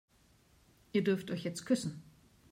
Ihr dürft euch jetzt küssen.